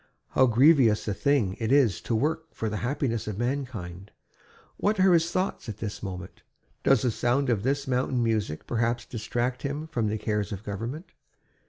How grievous a thing it is to work for the happiness of mankind! What are his thoughts at this moment? Does the sound of this mountain music perhaps distract him from the cares of government?